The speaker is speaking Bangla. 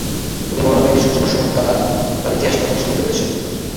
তিনি বর্ণনাকারীদের সূত্র ও ভাষ্যসমূহ দ্বারা তার ইতিহাস গ্রন্থকে সমৃদ্ধ করেছেন।